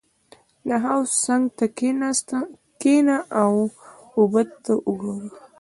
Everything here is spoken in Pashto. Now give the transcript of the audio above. • د حوض څنګ ته کښېنه او اوبه ته وګوره.